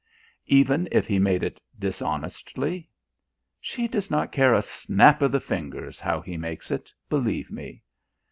"Even if he made it dishonestly?" "She does not care a snap of the fingers how he makes it, believe me."